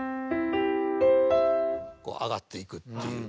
こう上がっていくっていう。